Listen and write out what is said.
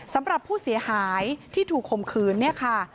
สำหรับผู้เสียหายที่ถูกข่มขืนเนี่ยค่ะ